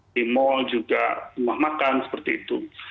di mal juga rumah makan seperti itu